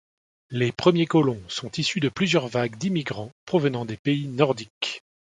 Les premiers colons sont issus de plusieurs vagues d'immigrants provenant des pays nordiques.